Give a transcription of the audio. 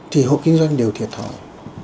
thì hộ kinh doanh đều thiệt hỏi